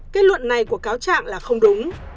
kết luận này của cáo trạng là không đúng